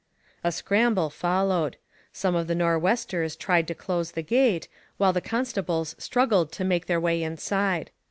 A scramble followed. Some of the Nor'westers tried to close the gate, while the constables struggled to make their way inside.